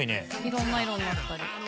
「色んな色になったり」